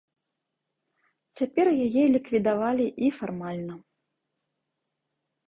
Цяпер яе ліквідавалі і фармальна.